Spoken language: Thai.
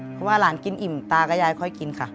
เพราะว่าหลานกินอิ่มตากับยายค่อยกินค่ะ